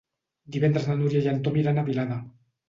Divendres na Núria i en Tom iran a Vilada.